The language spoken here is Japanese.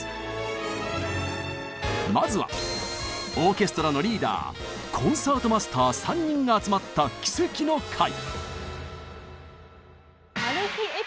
まずはオーケストラのリーダーコンサートマスター３人が集まった奇跡の回！